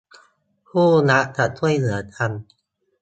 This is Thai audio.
คู่รักจะช่วยเหลือกัน